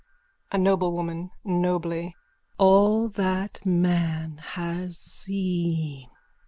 A NOBLEWOMAN: (Nobly.) All that man has seen!